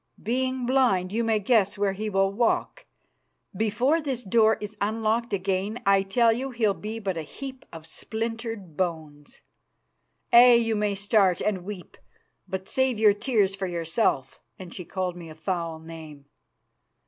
Being blind, you may guess where he will walk. Before this door is unlocked again I tell you he'll be but a heap of splintered bones. Aye, you may start and weep; but save your tears for yourself,' and she called me a foul name.